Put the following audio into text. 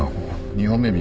２本目右。